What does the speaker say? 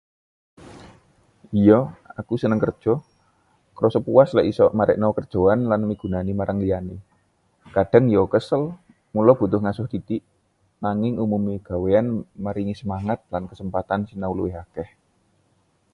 Ya, aku seneng kerja. Krasa puas nek isa marekno kerjoan lan migunani marang liyane. Kadhang yo kesel, mula butuh ngaso sithik, nanging umume gaweyan maringi semangat lan kesempatan sinau luwih akeh.